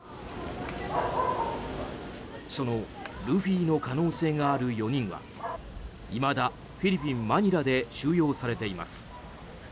そのルフィの可能性がある４人はいまだフィリピン・マニラで収容されています。